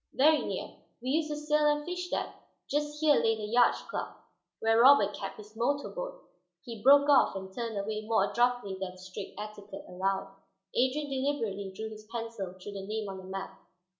"Very near. We used to sail and fish there. Just here lay the yacht club, where Robert kept his motor boat " He broke off and turned away more abruptly than strict etiquette allowed. Adrian deliberately drew his pencil through the name on the map.